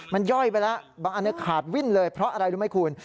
มันย่อยไปแล้วบางอันนี้ขาดวิ่นเลยเพราะอะไรรู้ไหมคุณ